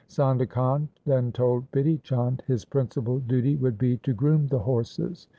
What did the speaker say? Sondha Khan then told Bidhi Chand his principal duty would be to groom the horses.